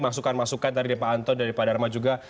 masukan masukan dari pak antun dan pak dharma juga